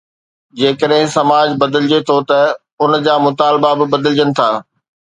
جيڪڏهن سماج بدلجي ٿو ته ان جا مطالبا به بدلجن ٿا.